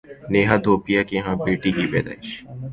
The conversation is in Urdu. نیہا دھوپیا کے ہاں بیٹی کی پیدائش